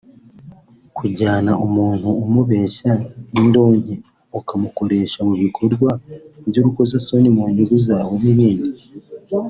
kujyana umuntu umubeshya indonke ukamukoresha mu bikorwa by’urukozasoni mu nyungu zawe n’ibindi